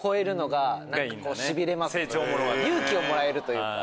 勇気をもらえるというか。